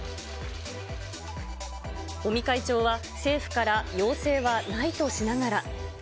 尾身会長は政府から要請はないとしながら。